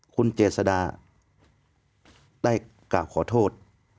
คุณเจษดาได้กล่าวขอโทษ